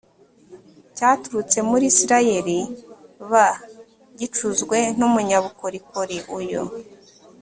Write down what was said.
cyaturutse muri isirayeli b gicuzwe n umunyabukorikori uyu